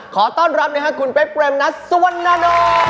ขอต้อนรับนะฮะคุณเป๊บเกรมนัทสวนโน้น